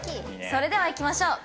それではいきましょう。